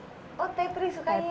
oh tetris sukanya